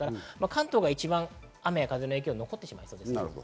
関東が一番雨や風の影響残ってしまいそうです。